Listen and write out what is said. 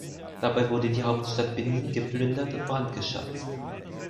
Dabei wurde die Hauptstadt Benin geplündert und gebrandschatzt.